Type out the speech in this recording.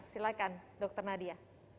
silahkan dokter nadia